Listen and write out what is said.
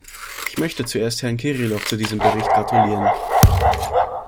Ich möchte zuerst Herrn Kirilov zu diesem Bericht gratulieren.